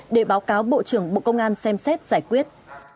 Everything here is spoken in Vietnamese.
để báo cáo bộ trưởng bộ công an xem xét giải quyết